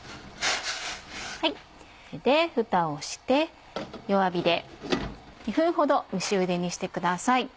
フタをして弱火で２分ほど蒸しゆでにしてください。